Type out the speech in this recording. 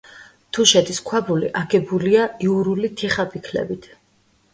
თუშეთის ქვაბული აგებულია იურული თიხაფიქლებით.